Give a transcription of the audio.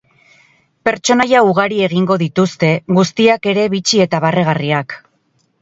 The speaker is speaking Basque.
Pertsonaia ugari egingo dituzte, guztiak ere bitxi eta barregarriak.